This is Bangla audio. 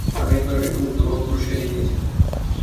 আমি একবার এক ঊর্ধ্ববাহু পুরুষকে দেখিয়াছিলাম।